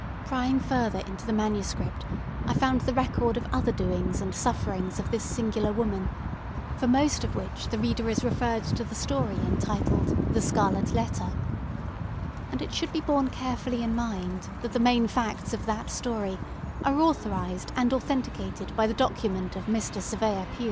Prying further into the manuscript, I found the record of other doings and sufferings of this singular woman, for most of which the reader is referred to the story entitled "THE SCARLET LETTER"; and it should be borne carefully in mind that the main facts of that story are authorized and authenticated by the document of Mr. Surveyor Pue.